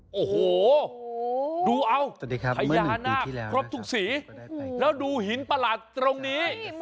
โอ้โหดูเอาพญานาคครบทุกสีแล้วดูหินประหลาดตรงนี้